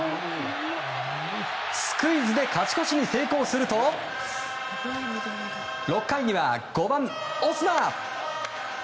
スクイズで勝ち越しに成功すると６回には５番、オスナ。